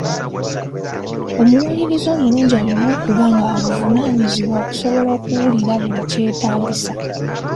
Omuwuliriza omulungi alina okuba nga wa buvunaanyizibwa okusobola okuwuliriza buli kyetaagisa.